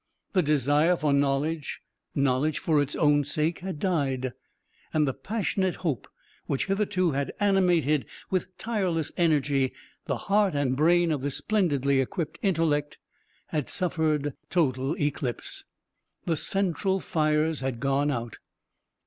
The desire for knowledge knowledge for its own sake had died, and the passionate hope which hitherto had animated with tireless energy the heart and brain of this splendidly equipped intellect had suffered total eclipse. The central fires had gone out.